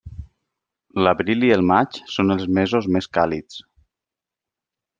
L'abril i el maig són els mesos més càlids.